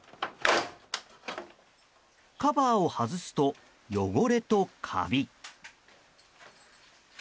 カバーを外すと、汚れとカビ。